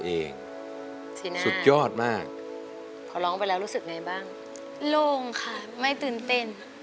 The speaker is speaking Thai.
ลงค่ะไม่ตื่นเต้น